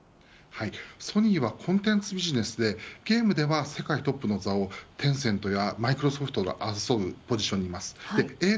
ソニーはコンテンツビジネスでゲームでは世界トップの座をテンセントやマイクロソフトが争うポジションにいます。